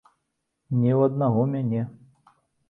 Не ў аднаго мяне.